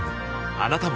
あなたも